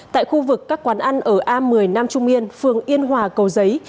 tại khu vực các quán ăn ở a một mươi nam trung yên phường yên hòa cầu giấy